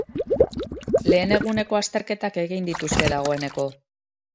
Lehen eguneko azterketak egin dituzte dagoeneko.